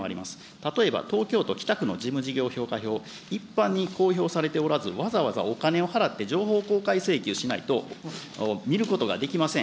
例えば東京都北区の事務事業評価票、一般に公表されておらず、わざわざお金を払って情報公開請求しないと、見ることができません。